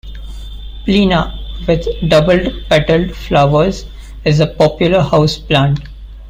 'Plena', with doubled-petaled flowers, is a popular houseplant.